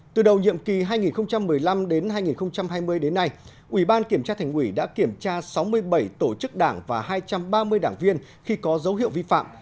từ đầu nhiệm kỳ hai nghìn một mươi năm đến hai nghìn hai mươi đến nay ủy ban kiểm tra thành ủy đã kiểm tra sáu mươi bảy tổ chức đảng và hai trăm ba mươi đảng viên khi có dấu hiệu vi phạm